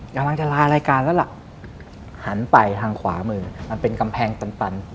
กำลังจะลารายการแล้วล่ะหันไปทางขวามือมันเป็นกำแพงตัน